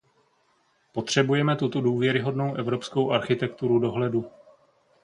Potřebujeme tuto důvěryhodnou evropskou architekturu dohledu.